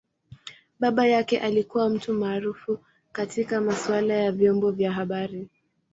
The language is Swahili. Baba yake alikua mtu maarufu katika masaala ya vyombo vya habari.